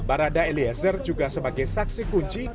barada eliezer juga sebagai saksi kunci